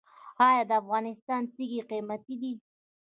آیا د افغانستان تیږې قیمتي دي؟